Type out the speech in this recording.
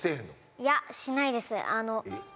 いやしないです。